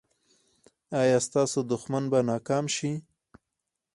ایا ستاسو دښمن به ناکام شي؟